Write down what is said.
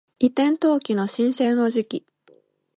移転登記の申請の時期